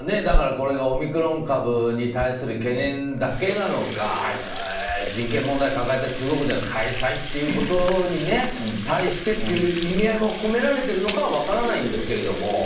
これがオミクロン株に対する懸念だけなのか人権問題を抱えた中国での開催ということに対してという意味合いも込められているのかは分からないんですけど。